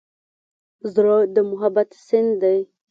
زړه د محبت سیند دی.